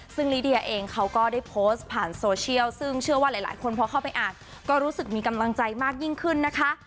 ซึ่งลิเดียเองเขาก็ได้โพสต์ผ่านโซเชียลซึ่งเชื่อว่าหลายคนพอเข้าไปอ่านก็รู้สึกมีกำลังใจมากยิ่งขึ้นนะคะ